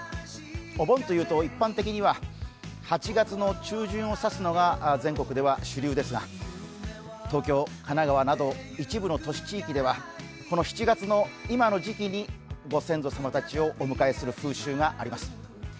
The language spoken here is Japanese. お盆というと一般的には８月の中旬を指すのが全国の主流ですが、東京、神奈川など一部の地域では７月のこの時期にご先祖様たちをお迎えする風習があります。